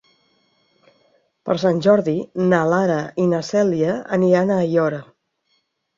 Per Sant Jordi na Lara i na Cèlia aniran a Aiora.